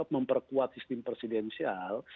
memperkuat sistem presidensial